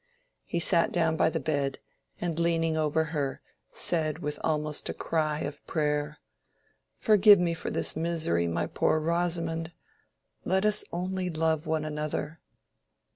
He sat down by the bed and leaning over her said with almost a cry of prayer— "Forgive me for this misery, my poor Rosamond! Let us only love one another."